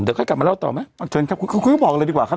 เดี๋ยวค่อยกลับมาเล่าต่อไหมเชิญครับคุณก็บอกเลยดีกว่าครับ